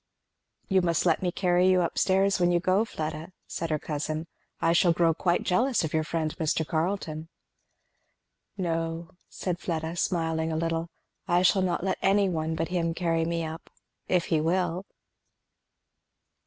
"You must let me carry you up stairs when you go, Fleda," said her cousin. "I shall grow quite jealous of your friend Mr. Carleton." "No," said Fleda smiling a little, "I shall not let any one but him carry me up, if he will."